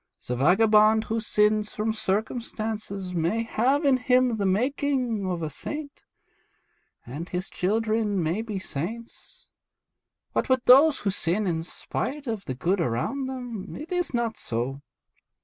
The vagabond who sins from circumstances may have in him the making of a saint, and his children may be saints; but with those who sin in spite of the good around them it is not so.